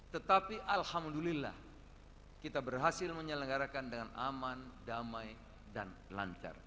tetapi alhamdulillah kita berhasil menyelenggarakan dengan aman damai dan lancar